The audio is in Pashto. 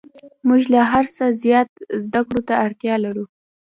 موږ له هر څه زیات زده کړو ته اړتیا لرو